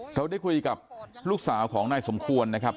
เราได้คุยกับลูกสาวของนายสมควรนะครับ